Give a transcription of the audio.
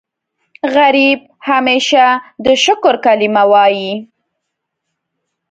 غریب همیشه د شکر کلمه وايي